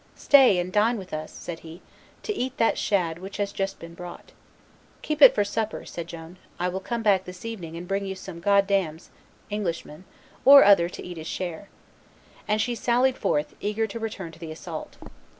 "Stay and dine with us," said he, "to eat that shad which has just been brought." "Keep it for supper," said Joan; "I will come back this evening and bring you some goddamns (Englishman) or other to eat his share;" and she sallied forth, eager to return to the assault.